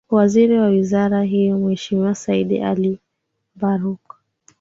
Waziri wa Wizara hiyo Mhe Said Ali Mbarouk